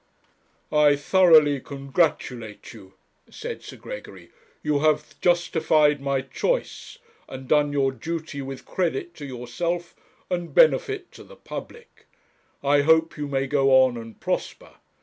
'I thoroughly congratulate you,' said Sir Gregory. 'You have justified my choice, and done your duty with credit to yourself and benefit to the public. I hope you may go on and prosper.